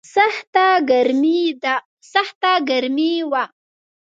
سخته ګرمي وه.